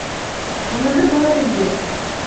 — Уныһы бар инде.